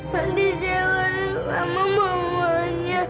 nanti saya baru lama memulainya